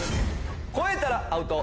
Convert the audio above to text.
超えたらアウト！